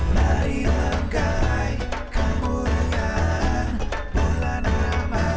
dari langkai kemuliaan bulan ramadhan